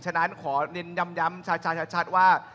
ฉะนั้นขอเน้นย้ำชัดว่า